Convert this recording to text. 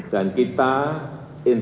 dan kita akan mencari kepentingan